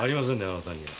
あなたには。